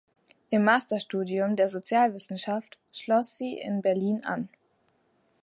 Ihr Masterstudium der Sozialwissenschaft schloss sie in Berlin an.